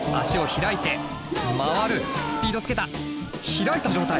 開いた状態！